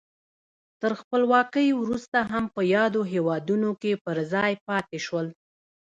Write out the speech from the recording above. تر خپلواکۍ وروسته هم په یادو هېوادونو کې پر ځای پاتې شول.